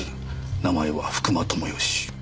名前は福間知義。